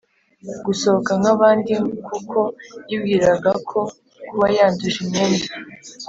Gusohoka nk abandi kuko yibwiraga ko kuba yanduje imyenda